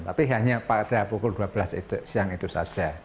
tapi hanya pada pukul dua belas siang itu saja